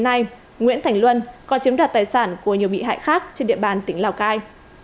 ngay nguyễn thành luân còn chiếm đoạt tài sản của nhiều bị hại khác trên địa bàn tỉnh lào cai